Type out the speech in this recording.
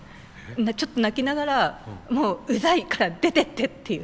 ちょっと泣きながら「もううざいから出てって！」っていう。